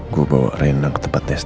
gue bawa rena ke tempat test dna